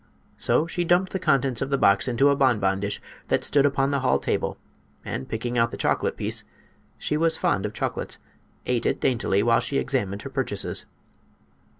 So she dumped the contents of the box into a bonbon dish that stood upon the hall table and picking out the chocolate piece—she was fond of chocolates—ate it daintily while she examined her purchases.